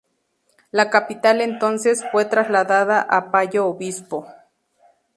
La capital entonces fue trasladada a Payo Obispo.